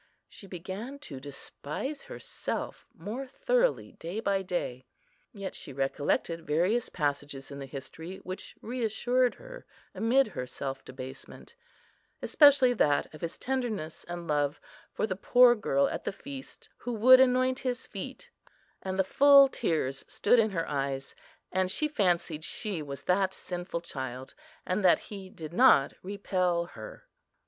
She began to despise herself more thoroughly day by day; yet she recollected various passages in the history which reassured her amid her self abasement, especially that of His tenderness and love for the poor girl at the feast, who would anoint His feet; and the full tears stood in her eyes, and she fancied she was that sinful child, and that He did not repel her.